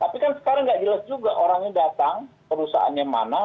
tapi kan sekarang nggak jelas juga orangnya datang perusahaannya mana